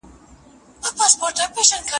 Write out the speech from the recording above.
ساقي ځار شمه د بلې پیالې وار دی